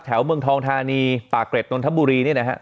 แถวเมืองทองทานีป่าเกร็ดนนทบุรีเนี่ยนะครับ